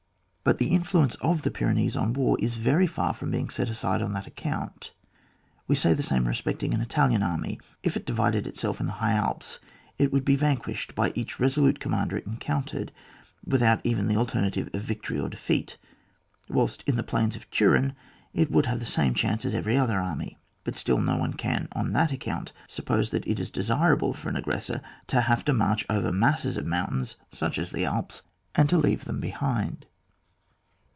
But the influence of the Pyrenees on war is very far from being set aside on that account. We say the same respecting an Italian army. If it divided itself in the High Alps it would be vanquished by each resolute commander it encountered, without even the alternative of victory or defeat; whilst in the plains of Turin it would have the same chance as every other army. But still no one can on that account suppose that it is desirable for an aggressor to have to march over masses of mountains such as the Alps, and to leave them behind.